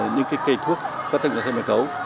những cái cây thuốc có thêm một cấu